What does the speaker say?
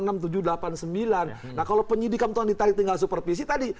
nah kalau penyidikan itu ditarik tinggal supervisi tadi